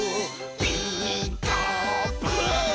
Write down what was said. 「ピーカーブ！」